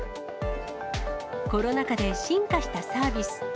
コロナ禍で進化したサービス。